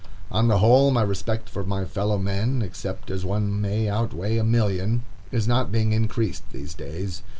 On the whole, my respect for my fellow men, except as one may outweigh a million, is not being increased these days.